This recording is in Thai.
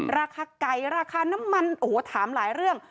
ราคาไก่ราคาน้ำมันโอ้โหถามหลายเรื่อง